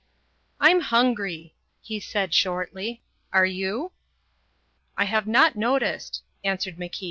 "I'm hungry," he said shortly. "Are you?" "I have not noticed," answered MacIan.